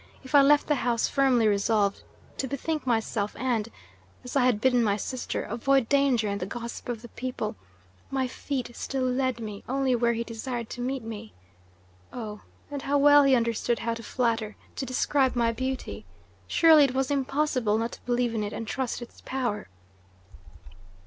If I left the house firmly resolved to bethink myself and, as I had bidden my sister, avoid danger and the gossip of the people, my feet still led me only where he desired to meet me. Oh, and how well he understood how to flatter, to describe my beauty! Surely it was impossible not to believe in it and trust its power!"